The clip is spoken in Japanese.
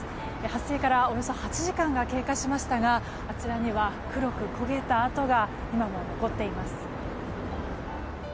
発生からおよそ８時間が経過しましたがあちらには黒く焦げた跡が今も残っています。